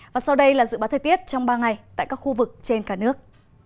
và sau đây là dự báo thời tiết trong ba ngày tại các khu vực trên cả nước